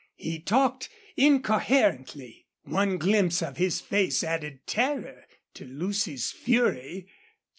He talked incoherently. One glimpse of his face added terror to Lucy's fury.